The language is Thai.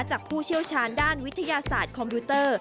ผู้เชี่ยวชาญด้านวิทยาศาสตร์คอมพิวเตอร์